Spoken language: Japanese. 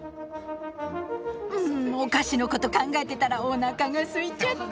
うんお菓子のこと考えてたらおなかがすいちゃった！